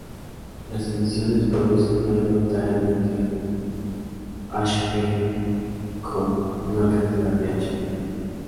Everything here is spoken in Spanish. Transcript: Las emisiones producen mayoritariamente Hg, con menor cantidad de Hg.